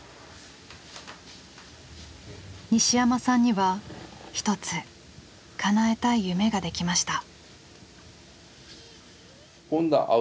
西山さんには一つかなえたい夢ができました。